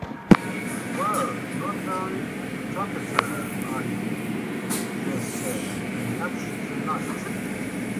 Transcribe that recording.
"Well, not very talkative, are you?" Jaz said, and nudged the knight